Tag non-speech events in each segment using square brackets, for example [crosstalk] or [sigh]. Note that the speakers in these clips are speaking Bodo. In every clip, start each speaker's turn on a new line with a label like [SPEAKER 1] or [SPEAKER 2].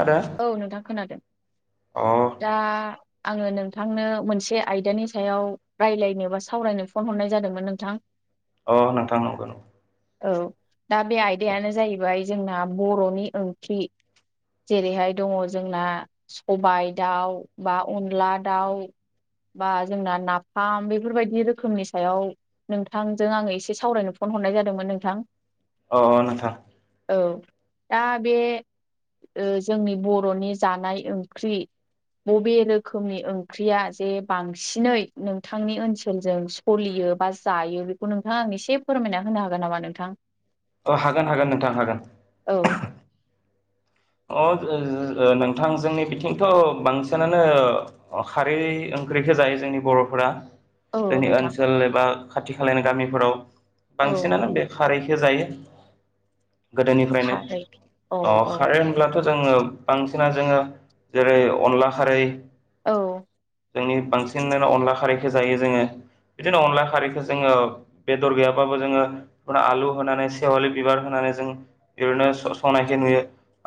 [SPEAKER 1] आरो
[SPEAKER 2] औ नोंथां खोनादों।
[SPEAKER 1] अ
[SPEAKER 2] दा आङो नोंथांनो मोनसे आयदानि सायाव रायलायनो बा सावरायनो फन हरनाय जादोंमोन नोंथां।
[SPEAKER 1] अ नोंथां नंगौ नंगौ
[SPEAKER 2] औ दा बे आयदायानो जाहैबाय जोंना बर'नि ओंख्रि जेरैहाय दङ जोंना सबाय दाउ बा अनला दाउ बा जोंना नाफाम बेफोरबायदि रोखोमनि सायाव नोंथांजों आङो एसे सावरायनो फन हरनाय जादोंमोन नोंथां।
[SPEAKER 1] औ नोंथां।
[SPEAKER 2] औ दा बे ओ जोंनि बर'नि जानाय ओंख्रि बबे रोखोमनि ओंख्रिया जे बांसिनै नोंथांनि ओनसोलजों सलियो बा जायो बेखौ नोंथां आं एसे फोरमायना होनो हागोन नामा नोंथां?
[SPEAKER 1] अ हागोन हागोन नोंथां हागोन।
[SPEAKER 2] औ
[SPEAKER 1] अ ओ ओ नोंथां जोंनि बिथिंथ' बांसिनानो खारै ओंख्रिखो जायो जोंनि बर'फोरा।
[SPEAKER 2] औ
[SPEAKER 1] जोंनि
[SPEAKER 2] नोंथां
[SPEAKER 1] ओनसोल एबा खाथि खालानि गामिफोराव
[SPEAKER 2] औ
[SPEAKER 1] बांसिनानो बे खारैखो जायो गोदोनिफ्रायनो।
[SPEAKER 2] खारै औ
[SPEAKER 1] अ
[SPEAKER 2] औ
[SPEAKER 1] खारै होनब्लाथ' जोङो बांसिना जोङो जेरै अनला खारै
[SPEAKER 2] औ
[SPEAKER 1] जोंनि बांसिन अनला खारैखो जायो जोङो। बिदिनो अनला खारैखो जोङो बेदर गैयाबाबो जोङो आलु होनानै सेवालि बिबार होना जों ओरैनो संनायखि नुयो।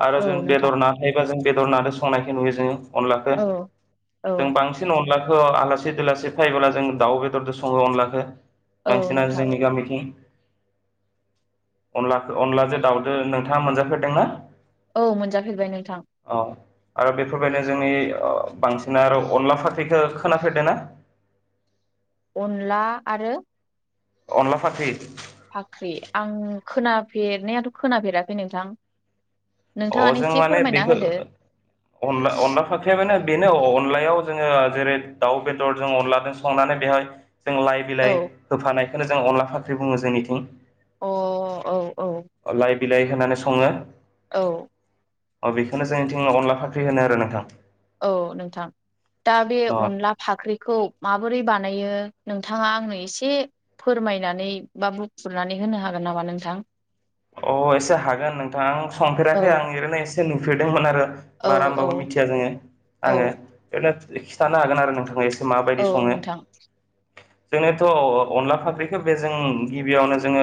[SPEAKER 1] आरो
[SPEAKER 2] औ
[SPEAKER 1] जों
[SPEAKER 2] नोंथां
[SPEAKER 1] बेदर ना थायोबा जों बेदर नादो संनायखो नुयो जोङो। अनलाखो
[SPEAKER 2] औ औ
[SPEAKER 1] जों बांसिन अनला खौ आलासि दलासि फैबोब्ला जों दाउ बेदरजों सङो अनलाखो।
[SPEAKER 2] औ
[SPEAKER 1] बांसिनानो
[SPEAKER 2] नोंथां
[SPEAKER 1] जोंनि गामिथिं। अनला अनलाजों दावउदो नोंथाङा मोनजाफेरदोंना?
[SPEAKER 2] औ मोनजाफेरबाय नोंथां।
[SPEAKER 1] औ आरो बेफोरबायदिनो जोंनि बांसिन आरो अनला फाख्रिखो खोनाफेरदो ना?
[SPEAKER 2] अनला आरो
[SPEAKER 1] अनला फाख्रि
[SPEAKER 2] फाख्रि आं खोनाफेरनायाथ' खोनाफेराखै नोंथां।
[SPEAKER 1] अ
[SPEAKER 2] नोंथाङानो
[SPEAKER 1] जों
[SPEAKER 2] एसे
[SPEAKER 1] माने
[SPEAKER 2] फोरमायना
[SPEAKER 1] बेखो
[SPEAKER 2] होदो
[SPEAKER 1] अनला-अनला फाख्रिया बेनो अनलायाव जोङो जेरै दाउ बेदर जों अनलादोन संनानै बेहाय जों लाइ
[SPEAKER 2] औ
[SPEAKER 1] बिलाइ होफानाय खोनो जोन अनला फाख्रि बुङो जोंनिथिं।
[SPEAKER 2] अ औ औ
[SPEAKER 1] लाइ बिलाइ होनानै सङो।
[SPEAKER 2] औ
[SPEAKER 1] अ बेखोनो जोंथिं अनला फाख्रि होनो आरो नोंथां।
[SPEAKER 2] औ नोंथां दा बे
[SPEAKER 1] अ
[SPEAKER 2] अनला फाख्रिखौ माबोरै बानायो? नोंथाङा आंनो एसे फोरमायनानै बा बुफ्रुनानै होनो हागोन नामा नोंथां?
[SPEAKER 1] अ एसे हागोन नोंथां आं
[SPEAKER 2] औ
[SPEAKER 1] संफेराखै आं ओरैनो एसे नुफेरदोंमोन आरो।
[SPEAKER 2] औ
[SPEAKER 1] बारा
[SPEAKER 2] औ
[SPEAKER 1] होमबाबो मिथिया जोङो
[SPEAKER 2] औ
[SPEAKER 1] आङो ओरैनो खिथानो हागोन आरो नोंथां ए
[SPEAKER 2] औ नोंथां
[SPEAKER 1] जोंनोथ' अनला फाख्रिखौो बे जों गिबियावनो जोङो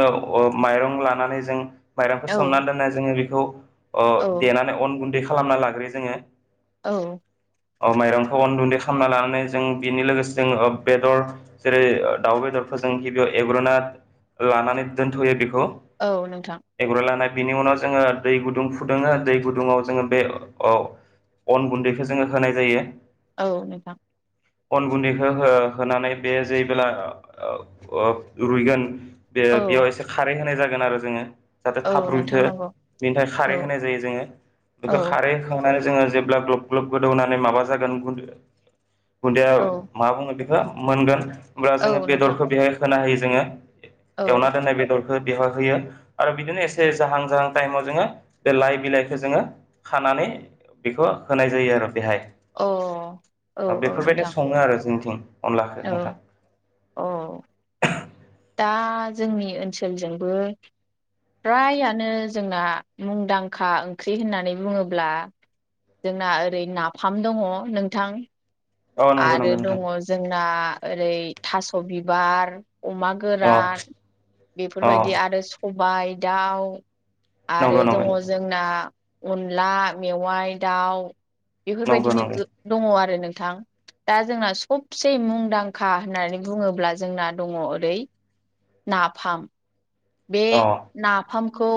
[SPEAKER 1] माइरं लानानै जों माइरंखौ
[SPEAKER 2] औ
[SPEAKER 1] सोमना दोननाय जोङो बेखौ
[SPEAKER 2] औ
[SPEAKER 1] देनानै अन गुन्दै खालामना लाग्रोयो जोङो।
[SPEAKER 2] औ
[SPEAKER 1] माइरंखौ अन गुन्दै खालामना लानानै जों बेनि लोगोसे जों बेदर जेरै दाउ बेदर फोरजों गिबियाव एग्रनाथ लानानै दोनथ'यो बेखौ
[SPEAKER 2] औ नोंथां।
[SPEAKER 1] एग्र' लानाय बिनि उनाव जोङो दै गुदुं फुदुङो दै गुदुङाव जोङो बे औ अन गुन्दैखौ जोङो होनाय जायो।
[SPEAKER 2] औ नोंथां
[SPEAKER 1] अन गुन्दैखौ होनानै बे जे बेला रुइगोन। बे
[SPEAKER 2] औ
[SPEAKER 1] बेयाव एसे खारै होनाय जागोन आरो जोङो जाहाथे
[SPEAKER 2] औ
[SPEAKER 1] थाब रुइथो
[SPEAKER 2] नोंथां नंगौ
[SPEAKER 1] बेनि थाखाय
[SPEAKER 2] औ
[SPEAKER 1] खारै होनाय जायो जोङो बेखौ
[SPEAKER 2] औ
[SPEAKER 1] खारै होखां जोङो जेब्ला ग्ल ग्लब गोदौनानै माबा जागोन गुन्दया
[SPEAKER 2] औ
[SPEAKER 1] मा बुङो। मोनगोन होनब्ला
[SPEAKER 2] औ
[SPEAKER 1] जोङो
[SPEAKER 2] नोंथां
[SPEAKER 1] बेदरखौ बेहाय होना होायो जोङो
[SPEAKER 2] औ
[SPEAKER 1] एवना दोननाय बेदरखौ बेहा होयो आरो बिदिनो एसे जाहां जाहां टाइमाव जोङो बे लाइ बिलाइखौ जोङो खानानै बेखौ होनाय जायो आरो बेहाय
[SPEAKER 2] अ औ औ
[SPEAKER 1] बेफोरबायदि
[SPEAKER 2] नोंथां
[SPEAKER 1] सङो आरो जों अनलाखो
[SPEAKER 2] औ
[SPEAKER 1] नोंथां
[SPEAKER 2] अ दा जोंनि ओनसोलजोंबो फ्रायानो जोंना मुंदांखा ओंख्रि होननानै बुङोब्ला। जोंना ओरै नाफाम दङ नोंथां।
[SPEAKER 1] औ नंगौ
[SPEAKER 2] आरो
[SPEAKER 1] नंगौ नोंथां
[SPEAKER 2] दङ जोंना ओरै थास' बिबार अमा
[SPEAKER 1] औ
[SPEAKER 2] गोरान
[SPEAKER 1] औ
[SPEAKER 2] बेफोरबायदि आरो सबाय दाउ आरो
[SPEAKER 1] नंगौ नंगौ
[SPEAKER 2] दङ जोंना अनला मेवाइ दाउ
[SPEAKER 1] नंगौ
[SPEAKER 2] बेफोरबायदिनो
[SPEAKER 1] नंगौ
[SPEAKER 2] दङ आरो नोंथां। दा जोंना सबसे मुंदांखा होननानै बुङोब्ला जोंना दङ ओरै नाफाम बे
[SPEAKER 1] अ
[SPEAKER 2] नाफाम खौ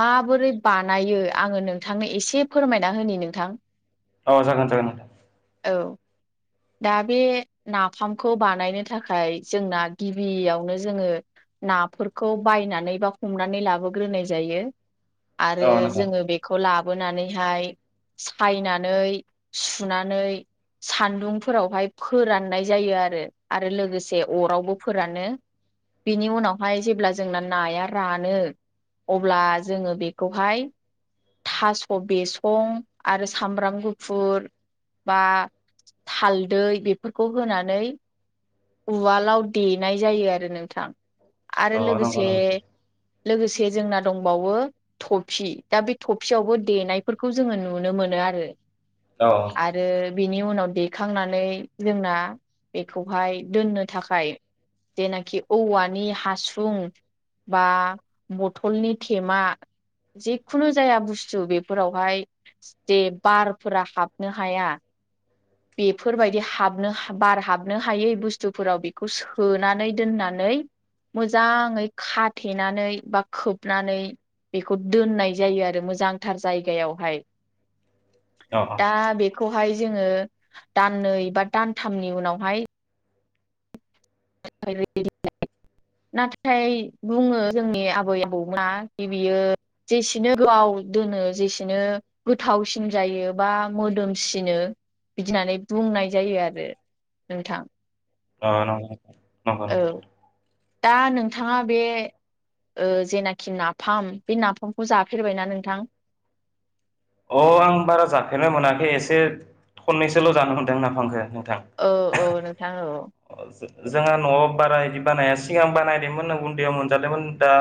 [SPEAKER 2] माबोरै बानायो आङो नोंथांनो एसे फोरमायना होनि नोंथां।
[SPEAKER 1] औ जागोन जागोन।
[SPEAKER 2] औ दा बे नाफामखौ बानायनो थाखाय जोंना गिबियावनो जोङो नाफोरखौ बायनानै बा हमनानै लाबोग्रोनाय जायो। आरो
[SPEAKER 1] औ नोंथां
[SPEAKER 2] जोङो बेखौ लाबो लाबोनानै हाय सायनानै सुनानै सान्दुं फोरावहाय फोराननाय जायो आरो आरो लोगोसे अरावबो फोरानो बिनि उनावहाय जेब्ला जोंना नाया रानो। अब्ला जोङो बेखौहाय थास' बेसं आरो सामब्राम गुफुर बा हालदै बेफोरखौ होनानै उवालाव देनाय जायो आरो नों थां आरो
[SPEAKER 1] औ नंगौ
[SPEAKER 2] लोगोसे
[SPEAKER 1] नंगौ नोंथां
[SPEAKER 2] लोगोसे जोंना दंबावो थफि दा बे थफियावबो देनायफोरखौ जोङो नुनो मोनो।
[SPEAKER 1] औ
[SPEAKER 2] आरो बिनि उनाव दिखांनानै जोंना बेखौहाय दोननो थाखाय। जेनाखि औवानि हासुं बा बथलनि थेमा जिखुनु जाया बुस्थु बेफोरावहाय जे बारफोरा हाबनो हाया बेफोरबायदि हाबनो बार हाबनो हायै बुस्थुफोराव बेखौ सोनानै दोननानै मोजाङै खाथेनानै बा खोबनानै बेखौ दोननाय जायो आरो मोजांथार जायगायावहाय
[SPEAKER 1] औ
[SPEAKER 2] दा बेखौहाय जोङो दाननै बा दानथामनि उनावहाय [unintelligible] नाथाय बुङो जोंनि आबै आबौमोना बियो जेसेनो गोबाव आव दोनो जेसेनो गोथावसिन जायो बा मोदोमसिनो बिदि होननानै बुंनाय जायो आरो नोंथां
[SPEAKER 1] औ नंगौ नोंथां नंगौ
[SPEAKER 2] औ
[SPEAKER 1] नंगौ
[SPEAKER 2] दा नोंथाङा बे ओ जेनाखि नाफाम बे नाफामखौ जाफेरबायना नोंथां
[SPEAKER 1] अ आं बारा जाफेरनो मोनाखै एसे खननैसोल' जानो मोनदों नाफामखो
[SPEAKER 2] औ औ नोंथां औ
[SPEAKER 1] जोंहा न'आव बारा बिदि बानाया सिगां बानायदोंमोन उन्दैयाव मोनजादोंमोन दा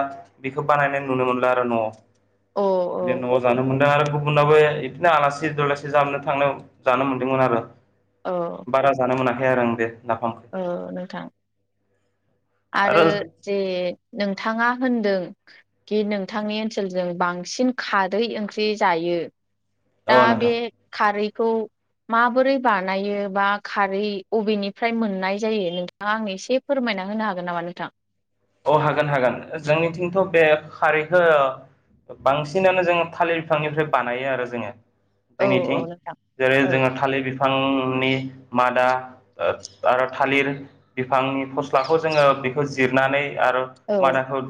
[SPEAKER 1] बेखौ बानायनाय नुदों मोन आरो
[SPEAKER 2] औ औ
[SPEAKER 1] न' न'आव ज मोन आरो गुबनावाबो बिदिनो आलासि दलासि जाबनो थांनो जानो मोन्दोंमोन आरो
[SPEAKER 2] औ
[SPEAKER 1] बारा जानो मोनाखै आरो आं बे नाफामखौ
[SPEAKER 2] औ नोंथां आरो जे नोंथाङा होनदों कि नोंथांनि ओनसोलजों बांसिन खारै ओंख्रि जायो दा
[SPEAKER 1] औ नोंथां
[SPEAKER 2] बे खारैखौ माबोरै बानायो बा खारै अबेनिफ्राय मोननाय जायो नोंथाङा आं एसे फोरमायना होनो हागोन । हागोननामा नोंथां ।
[SPEAKER 1] अ हागोन हागोन जोंनिथिंथ' बे खारैखौ बांसिनानो जोङो थालिर बिफांनिफ्राय बानायो आरो जोङो
[SPEAKER 2] औ
[SPEAKER 1] जोंनिथिं
[SPEAKER 2] औ नोंथां
[SPEAKER 1] जेरै
[SPEAKER 2] औ
[SPEAKER 1] जोङो थालिर बिफांनि मादा आरो थालिर बिफांनि फस्लाखौ जोङो बेखौ जिरनानै आरो
[SPEAKER 2] औ
[SPEAKER 1] मादाखौ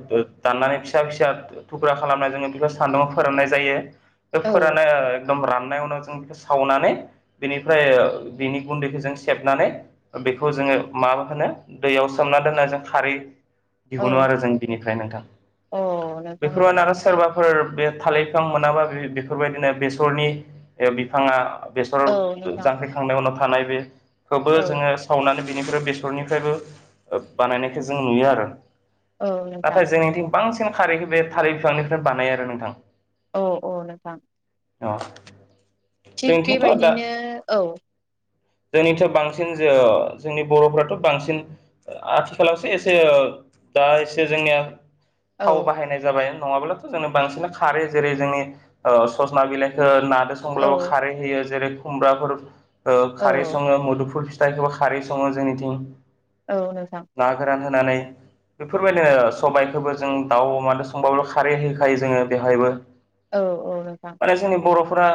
[SPEAKER 1] दाननानै फिसा फिसा थुख्रा खालामनाय जोङो बेफोर सान्दुङाव फोराननाय जायो बे
[SPEAKER 2] औ
[SPEAKER 1] फोराननाय एकदम राननाय उनाव जों बेखौ सावनानै बेनिफ्राय बिनि गुन्दैखौ जों सेबनानै बेखौ जोङो मा होनो दैयाव सोमना दोननो जों खारै दिहुनो आरो जों बिनिफ्राय नोंथां
[SPEAKER 2] औ नोंथां औ
[SPEAKER 1] बेफोरावनो आरो सोरबा फोर बे थालिर बिफां मोनाबा बेफोरबायदिनो बेसरनि बिफाङा बेसर
[SPEAKER 2] औ नोंथां
[SPEAKER 1] जांख्रिखांनायनि उनाव थानाय बेखौबो
[SPEAKER 2] औ
[SPEAKER 1] जोङो सावनानै बेनिफ्राय बेसरनिफ्रायबो बानायनायखौ जों नुयो आरो
[SPEAKER 2] औ नोंथां
[SPEAKER 1] नाथाय जोंनिथिं बांसिन खारैखौ बे थारै बिफांनिफ्राय बानाय आरो नोंथां ।
[SPEAKER 2] औ औ नोंथां
[SPEAKER 1] अ
[SPEAKER 2] थिग
[SPEAKER 1] जोंनिथिंथ' दा
[SPEAKER 2] बेबायदिनो औ ।
[SPEAKER 1] जोंनिथ' बांसिन ज जोंनि बर'फ्राथ' बांसिन आथिखालावसो एसे ओ दा एसे जोंनिया
[SPEAKER 2] औ
[SPEAKER 1] थाव बाहायनाय जाबाय । नङाबाथ जोंनो बांसिन खारै जेरै जों ओ सजना बिलाइखो ना संब्लाबो
[SPEAKER 2] औ
[SPEAKER 1] खारै होयो जेरै खुमब्राफोर ओ
[SPEAKER 2] औ
[SPEAKER 1] खारै सङो मुदुफुल जायखौबो खारै सङो जोंनिथिं ।
[SPEAKER 2] औ नोंथां
[SPEAKER 1] नानै बेफोरबायदिनो सबायाइखौबो जों दाउ अ मानो संबाब' खारै होखायो जोङो बेवहायबो ।
[SPEAKER 2] औ औ नोंथां
[SPEAKER 1] रा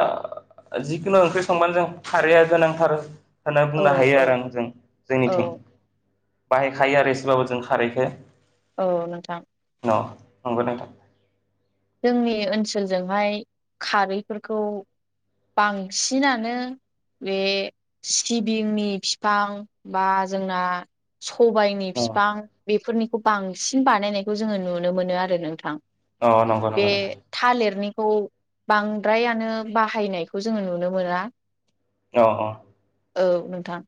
[SPEAKER 1] जिखुनु ओंख्रि संबानो जों खारैया गोनांथार । होनना
[SPEAKER 2] औ
[SPEAKER 1] बुंनो हायो
[SPEAKER 2] औ
[SPEAKER 1] आरो आं जों
[SPEAKER 2] औ
[SPEAKER 1] जोंनिथिं बाहायखायो आरो एसेबाबो जों खारैखो ।
[SPEAKER 2] औ नोंथां
[SPEAKER 1] औ नंगौ नोंथां ।
[SPEAKER 2] जोंनि ओनसोलजोंहाय खारैफोरखौ । बांसिनानो बे सिबिंनि फिफां बा जोंना सबायनि
[SPEAKER 1] अ
[SPEAKER 2] फिफां बेफोरनिखौ बांसिन बानायनायखौ जोङो नुनो मोनो आरो नोंथां।
[SPEAKER 1] अ नंगौ
[SPEAKER 2] बे
[SPEAKER 1] नंगौ नोंथां
[SPEAKER 2] थालेरनि खौ बांद्रायानो बाहायनायखौ जोङो नुनो मोना।
[SPEAKER 1] औ औ
[SPEAKER 2] औ नोंथां।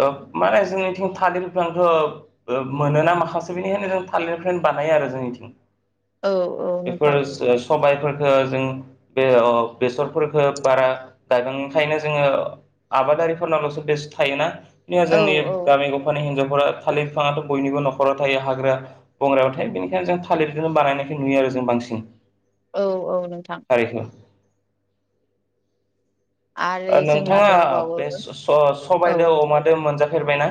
[SPEAKER 1] ओ माने जोंनिथिं थालिर बिफांखो ओ ओ मोनोना माखासे बेनिखायनो जों थालिरखोनो बानायो आरो जोंनिथिं।
[SPEAKER 2] औ औ नोंथां।
[SPEAKER 1] सबायफोरखो जों बे अ' बेसरफोरखो बारा गायबांयि खायनो जोङो आबादारिफोरनावल'सो बेस थायोना
[SPEAKER 2] औ
[SPEAKER 1] जोंनि
[SPEAKER 2] औ
[SPEAKER 1] गामि गफानि हिजाव फोरा थालिर बिफाङाथ' बयनिबो न'खराव थायो। हाग्रा बंग्रायाव थायो बेनिखायनो जों थालिरखौनो बानायनायख नुयो आरो। जों बांसिं
[SPEAKER 2] औ औ नोंथां‌। आरो
[SPEAKER 1] ओ
[SPEAKER 2] जोंना
[SPEAKER 1] नोंथाङा
[SPEAKER 2] दंबावो
[SPEAKER 1] बे स स
[SPEAKER 2] औ
[SPEAKER 1] सबायदो अमादो मोनजा फेरबाय ना?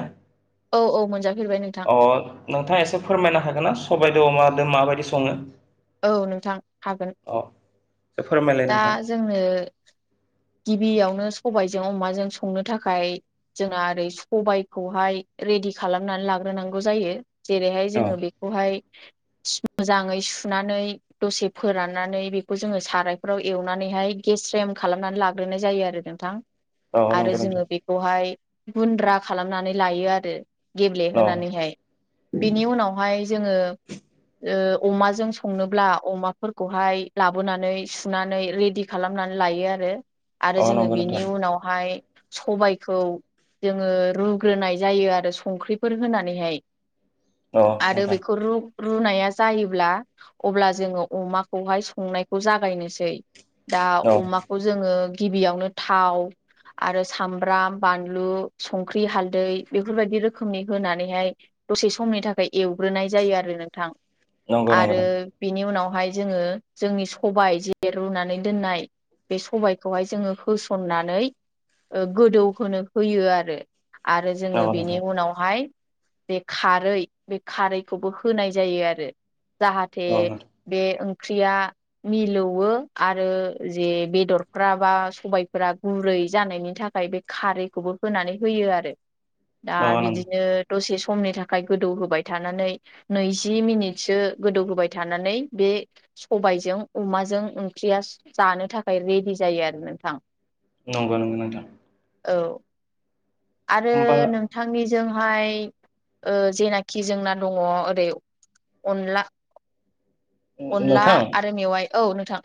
[SPEAKER 2] औ औ मोनजाफेरबाय नोंथां।
[SPEAKER 1] नोंथाङा एसे फोरमायना हागोन ना सबाय दो अमा दो माबायदि सङो?
[SPEAKER 2] औ नोंथां हागोन।
[SPEAKER 1] अ एसे फोरमायलाय
[SPEAKER 2] दा
[SPEAKER 1] नोंथां
[SPEAKER 2] जोंनो गिबियावनो सबायजों अमाजों संनो थाखाय जोंना ओरै सबायखौहाय रेदि दि खालामनानै लाग्रोनांगौ जायो। जेरैहाय
[SPEAKER 1] अ
[SPEAKER 2] जोङो बेखौहाय सु मोजाङै सुनानै दसे फोराननानै बेखौ जोङो सारायफ्राव एवनानै नै हाय गेस्रेम खालामनानै लाग्रोनाय जायो आरो नोंथां।
[SPEAKER 1] औ
[SPEAKER 2] आरो
[SPEAKER 1] नंगौ नोंथां
[SPEAKER 2] जोङो बेखौहाय गुन्द्रा खालामनानै लायो आरो
[SPEAKER 1] अ
[SPEAKER 2] गेब्लेहोनानैहाय बेनि उनावहाय जोङो ओ अमाजों संनोब्ला अमाफोरखौहाय लाबोनानै सुनानै रेडि खालाम नानै लायो आरो। आरो
[SPEAKER 1] अ
[SPEAKER 2] जोङो
[SPEAKER 1] नंगौ
[SPEAKER 2] बेनि
[SPEAKER 1] नोंथां
[SPEAKER 2] उनावहाय सबायखौ जोङो रुग्रोनाय जायो आरो संख्रिफोर होनानै हाय।
[SPEAKER 1] अ
[SPEAKER 2] आरो
[SPEAKER 1] नोंथां
[SPEAKER 2] बेखौ रु रुनाया जायोब्ला अब्ला जोङो अमाखौहाय संनायखौ जागायनोसै। दा
[SPEAKER 1] औ
[SPEAKER 2] अमाखौ जोङो गिबियावनो थाव आरो सामब्राम, बानलु, संख्रि, हालदै बेफोरबायदि रोखोमनि होनानै हाय दसे समनि थाखाय एवग्रोनाय जायो आरो नोंथां।
[SPEAKER 1] नंगौ नंगौ
[SPEAKER 2] आरो
[SPEAKER 1] नोंथां
[SPEAKER 2] बिनि उनाव हाय जोङो जोंनि सबाय जे रुनानै दोननाय बे सबाय खौहाय जोङो होसननानै ओ गोदौ होनो होयो आरो। आरो जोङो
[SPEAKER 1] औ
[SPEAKER 2] बेनि
[SPEAKER 1] नोंथां
[SPEAKER 2] उनावहाय बे खारै बे खारैखौबो होनाय जायो आरो। जाहाथे
[SPEAKER 1] औ
[SPEAKER 2] बे ओंख्रिया मिलौवो आरो जे बेदर फ्रा बा सबायफोरा गुरै जानायनि थाखाय बे खारैखौबो होनानै होयो आरो। दा
[SPEAKER 1] नोंथां औ नंगौ
[SPEAKER 2] बिदिनो दसे स समनि थाखाय गोदौ होबाय थानानै नैजि मिनिटसो गोदौ होबाय थानानै बे सबायजों अमाजों ओंख्रियास जानो थाखाय रेडि जायो आरो नोंथां।
[SPEAKER 1] नंगौ नंगौ नोंथां।
[SPEAKER 2] औ आरो
[SPEAKER 1] होमबा
[SPEAKER 2] नोंथांनि जोंहाय ओ जेनाखि जोंना दङ' ओरै अनला अनला आरो मेवाइ औ नोंथां।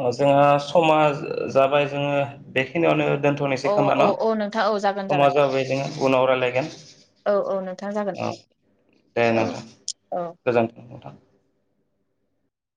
[SPEAKER 1] अ जोंहा समा ओ जाबाय जोङो बेखिनियावनो दोन्थ'नोसै
[SPEAKER 2] औ
[SPEAKER 1] खोमा
[SPEAKER 2] औ
[SPEAKER 1] न'?
[SPEAKER 2] औ नोंथां औ जागोन
[SPEAKER 1] समा
[SPEAKER 2] जागोन
[SPEAKER 1] जाबाय जोङा उनाव रायलायगोन।
[SPEAKER 2] औ औ नोंथां जागोन।
[SPEAKER 1] औ दे
[SPEAKER 2] औ
[SPEAKER 1] नोंथां
[SPEAKER 2] औ
[SPEAKER 1] गोजोन्थों नोंथां